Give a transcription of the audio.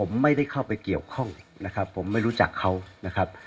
ผมไม่ได้เข้าไปเกี่ยวข้องนะครับผมไม่รู้จักเขานะครับ